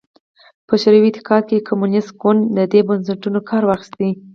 په شوروي اتحاد کې کمونېست ګوند له دې بنسټونو کار واخیست